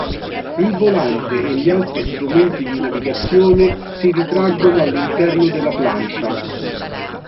Il volante e gli altri strumenti di navigazione si ritraggono all'interno della plancia.